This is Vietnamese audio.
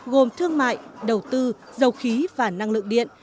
gồm thương mại đầu tư dầu khí và năng lượng điện